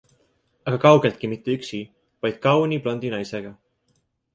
Aga kaugeltki mitte üksi, vaid kauni blondi naisega.